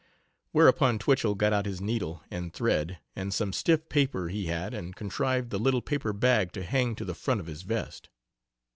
Whereupon Twichell got out his needle and thread and some stiff paper he had and contrived the little paper bag to hang to the front of his vest.